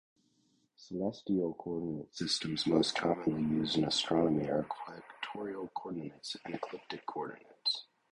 Celestial coordinate systems most commonly used in astronomy are equatorial coordinates and ecliptic coordinates.